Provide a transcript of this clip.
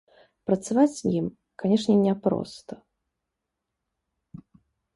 Працаваць з ім, канешне, няпроста.